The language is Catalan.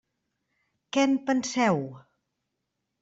Què en penseu?